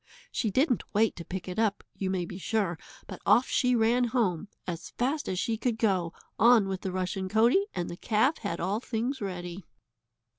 She didn't wait to pick it up, you may be sure, but off she ran home, as fast as she could go, on with the rushen coatie, and the calf had all things ready.